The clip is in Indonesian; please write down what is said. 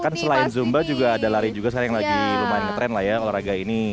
kan selain zumba juga ada lari juga sekarang yang lagi lumayan ngetrend lah ya olahraga ini